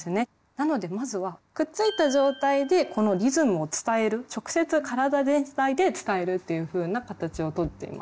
なのでまずはくっついた状態でこのリズムを伝える直接体全体で伝えるというふうな形をとっています。